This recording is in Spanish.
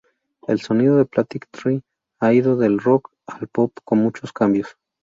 El sonido de Plastic Tree ha ido del rock al pop con muchos cambios.